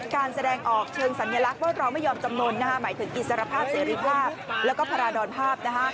การแสดงออกเชิงสัญลักษณ์ว่าเราไม่ยอมจำนวนหมายถึงอิสรภาพเสรีภาพแล้วก็พาราดรภาพ